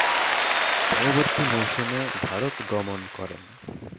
পরবর্তী মৌসুমে ভারত গমন করেন।